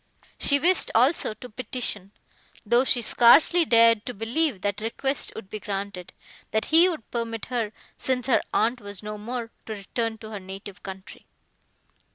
She wished, also, to petition, though she scarcely dared to believe the request would be granted, that he would permit her, since her aunt was no more, to return to her native country.